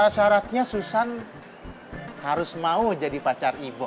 syaratnya susan harus mau jadi pacar ibu